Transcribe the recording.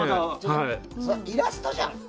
イラストじゃん。